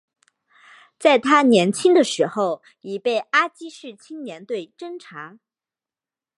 在他年轻的时候已被阿积士青年队侦察。